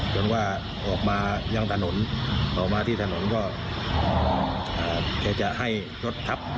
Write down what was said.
ว่าออกมายังถนนต่อมาที่ถนนก็แกจะให้รถทับ